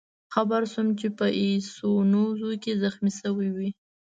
خبر شوم چې په ایسونزو کې زخمي شوی وئ.